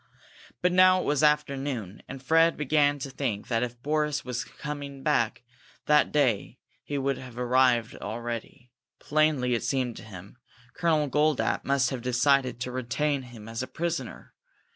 By now it was afternoon, and Fred began to think that if Boris had been coming back that day he would have arrived already. Plainly, it seemed to him, Colonel Goldapp must have decided to retain him as a prisoner.